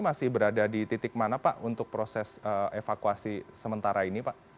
masih berada di titik mana pak untuk proses evakuasi sementara ini pak